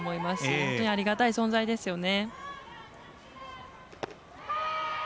本当にありがたい存在ですよね。